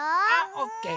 オッケー！